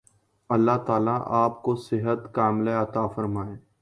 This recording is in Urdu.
اللہ تعالی آپ کو صحت ِکاملہ عطا فرمائے